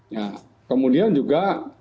ya kemudian juga